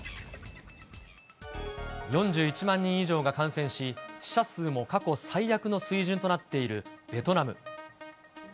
４１万人以上が感染し、死者数も過去最悪の水準となっているベトナム。